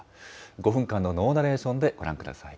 ５分間のノーナレーションでご覧ください。